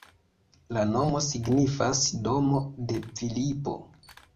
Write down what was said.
La nomo signifas domo de Filipo.